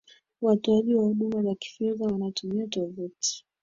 watoaji wa huduma za kifedha wanatumia tovuti